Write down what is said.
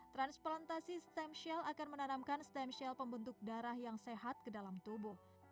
transplantasi stem shell akan menanamkan stem cell pembentuk darah yang sehat ke dalam tubuh